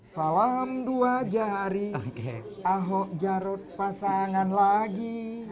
salam dua jari ahok jarot pasangan lagi